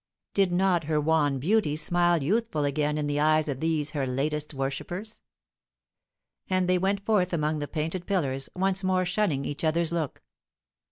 Did not her wan beauty smile youthful again in the eyes of these her latest worshippers? And they went forth among the painted pillars, once more shunning each other's look.